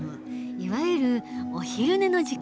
いわゆるお昼寝の時間だ。